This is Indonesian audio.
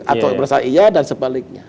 atau merasa iya dan sebaliknya